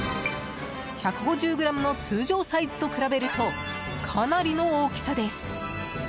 １５０ｇの通常サイズと比べるとかなりの大きさです。